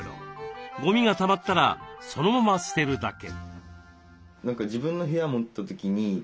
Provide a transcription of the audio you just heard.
ゴミがたまったらそのまま捨てるだけ。